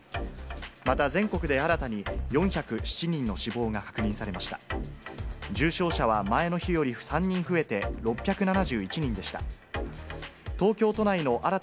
また全国で新たに４０７人の死亡が確認されました。